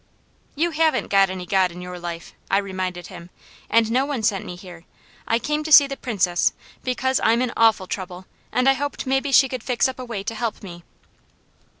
"You haven't got any God in your life," I reminded him, "and no one sent me here. I came to see the Princess, because I'm in awful trouble and I hoped maybe she could fix up a way to help me."